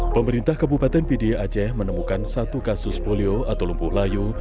pemerintah kabupaten pda aceh menemukan satu kasus polio atau lumpuh layu